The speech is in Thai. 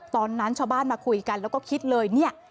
ตอนนั้นชาวบ้านมาคุยกันแล้วก็คิดเลยเนี่ย